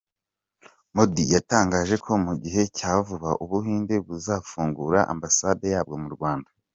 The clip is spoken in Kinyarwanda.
Modi yatangaje ko mu gihe cya vuba u Buhinde buzafungura Ambasade yabwo mu Rwanda.